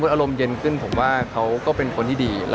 เพราะสถานที่คุณไม่รู้ว่ามันจะมีอะไร